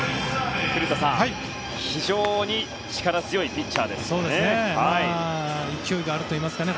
古田さん、非常に力強いピッチャーですね。